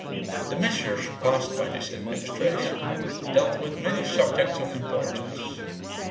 The measures passed by this administration dealt with many subjects of importance.